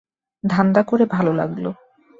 ধান্দা করে ভালো লাগলো।